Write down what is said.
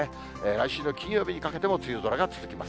来週の金曜日にかけても梅雨空が続きます。